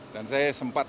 dan saya sempat